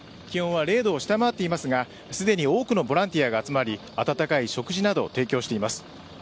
気温は０度を下回っていますがすでに大勢のボランティアが集まり温かい食事を提供しています。